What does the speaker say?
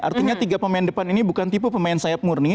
artinya tiga pemain depan ini bukan tipe pemain sayap murni